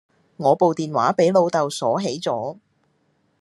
我部電話俾老竇鎖起咗